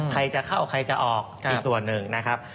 ใครจะเข้าใครจะออกอีกส่วนหนึ่งนะครับ